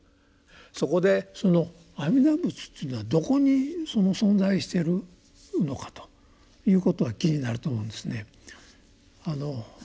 そこでその阿弥陀仏というのはどこに存在してるのかということは気になると思うんですね。